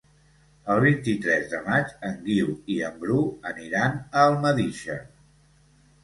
El vint-i-tres de maig en Guiu i en Bru aniran a Almedíxer.